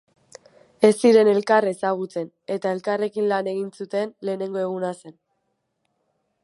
Ez ziren elkar ezagutzen, eta elkarrekin lan egin zuten lehenengo eguna zen.